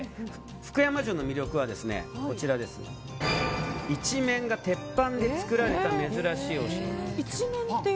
福山城の魅力は一面が鉄板で造られた珍しいお城なんです。